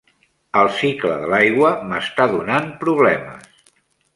El cicle de l'aigua m'està donant problemes.